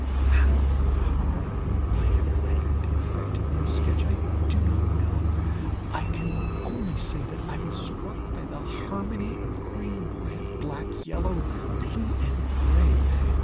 How far I have rendered the effect in my sketch, I do not know. I can only say that I was struck by the harmony of green, red, black, yellow, blue, and gray.